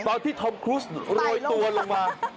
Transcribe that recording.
ตอนที่ธอมครุสโรยตัวลงมา